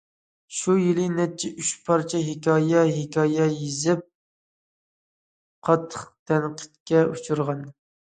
شۇ يىلى يەنە ئۈچ پارچە ھېكايە ھېكايە يېزىپ، قاتتىق تەنقىدكە ئۇچرىغان.